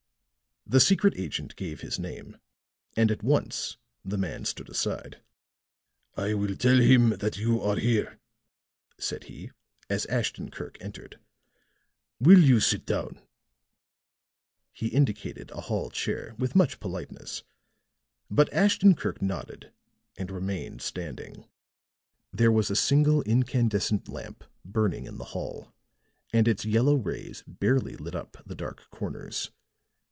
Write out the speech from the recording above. The secret agent gave his name, and at once the man stood aside. "I will tell him that you are here," said he, as Ashton Kirk entered. "Will you sit down?" He indicated a hall chair with much politeness; but Ashton Kirk nodded and remained standing. There was a single incandescent lamp burning in the hall, and its yellow rays barely lit up the dark corners.